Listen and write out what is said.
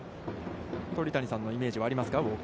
鳥谷さんのイメージはありますか。